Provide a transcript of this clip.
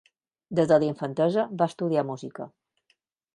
Des de la infantesa, va estudiar música.